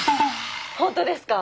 本当ですか！